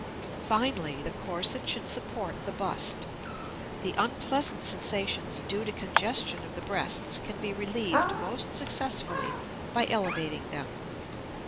Finally, the corset should support the bust; the unpleasant sensations due to congestion of the breasts can be relieved most successfully by elevating them.